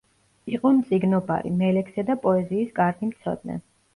იყო მწიგნობარი, მელექსე და პოეზიის კარგი მცოდნე.